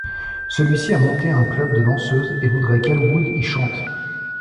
Celui-ci a monté un club de danseuses et voudrait qu'Elwood y chante.